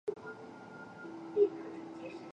由丁谨接任知县。